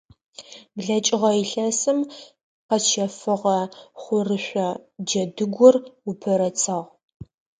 БлэкӀыгъэ илъэсым къэсщэфыгъэ хъурышъо джэдыгур упэрэцыгъ.